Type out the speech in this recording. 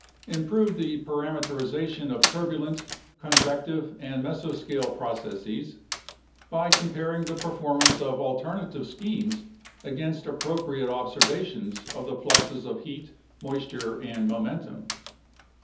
Improve the parameterization of turbulent, convective, and mesoscale processes by comparing the performance of alternative schemes against appropriate observations of the fluxes of heat, moisture, and momentum.